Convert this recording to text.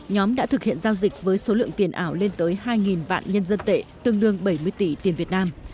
nhóm đã thực hiện giao dịch với số lượng tiền ảo lên tới hai vạn nhân dân tệ tương đương bảy mươi tỷ tiền việt nam